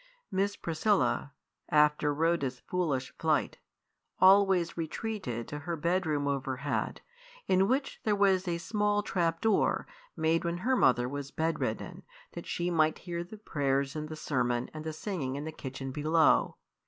Miss Priscilla, after Rhoda's foolish flight, always retreated to her bedroom overhead, in which there was a small trap door, made when her mother was bedridden, that she might hear the prayers and the sermon and the singing in the kitchen below.